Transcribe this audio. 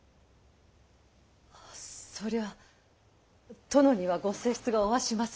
そりゃ殿にはご正室がおわします。